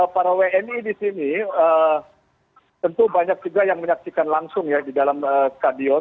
para wni di sini tentu banyak juga yang menyaksikan langsung di dalam stadion